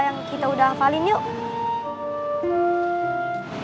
yang kita udah hafalin yuk